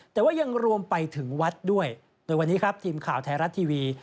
แต่ว่ายังรวมไปถึงวัดด้วยโดยวันนี้ครับทีมข่าวไทยรัฐทีวี